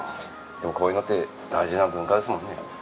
でもこういうのって大事な文化ですもんね。